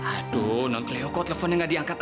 aduh nang cleo kok teleponnya gak diangkat